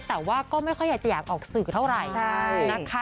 แต่ว่าก็ไม่ค่อยอยากจะอยากออกสื่อเท่าไหร่นะคะ